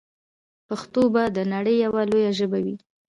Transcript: پښتو به د نړۍ یوه لویه ژبه وي.